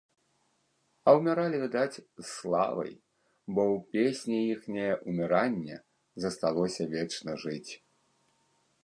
А ўміралі, відаць, з славай, бо ў песні іхняе ўміранне засталося вечна жыць.